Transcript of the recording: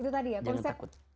itu tadi ya konsep